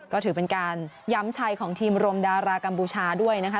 ก็ถือเป็นการย้ำชัยของทีมรมดารากัมพูชาด้วยนะคะ